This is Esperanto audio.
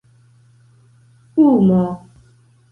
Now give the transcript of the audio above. umo